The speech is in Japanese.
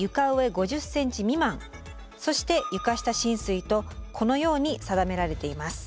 そして床下浸水とこのように定められています。